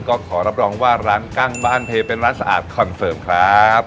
ก็ขอรับรองว่าร้านกั้งบ้านเพเป็นร้านสะอาดคอนเฟิร์มครับ